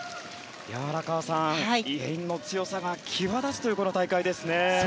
荒川さん、イ・ヘインの強さが際立つ、この大会ですね。